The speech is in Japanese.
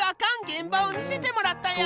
現場を見せてもらったよ。